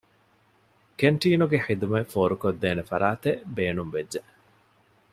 ކެންޓީނުގެ ޚިދުމަތް ފޯރުކޮށްދޭނެ ފަރާތެއް ބޭނުންވެއްޖެ